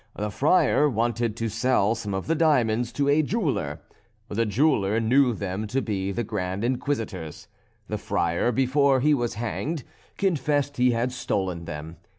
The Friar wanted to sell some of the diamonds to a jeweller; the jeweller knew them to be the Grand Inquisitor's. The Friar before he was hanged confessed he had stolen them.